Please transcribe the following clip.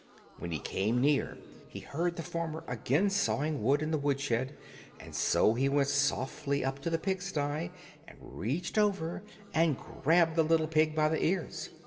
When he came near he heard the farmer again sawing wood in the woodshed, and so he went softly up to the pig sty and reached over and grabbed the little pig by the ears.